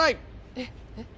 えっえっ？